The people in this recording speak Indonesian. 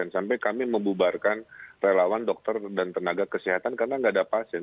sampai kami membubarkan relawan dokter dan tenaga kesehatan karena nggak ada pasien